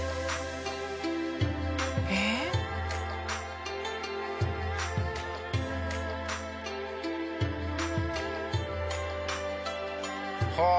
ええ？はあ！